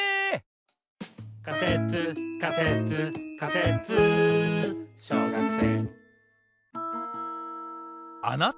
「仮説仮説仮説小学生